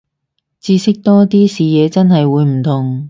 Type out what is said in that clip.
知識多啲，視野真係會唔同